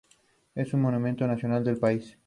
Es monumento nacional del país.